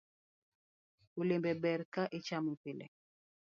Olembe ber ka ichamo pile